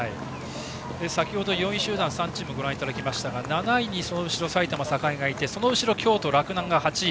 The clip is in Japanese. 先程、４位集団をご覧いただきましたが７位に埼玉栄がいてその後ろ、京都・洛南が８位。